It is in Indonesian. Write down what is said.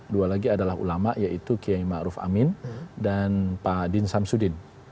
dua lagi adalah ulama yaitu kiai ma'ruf amin dan pak din samsudin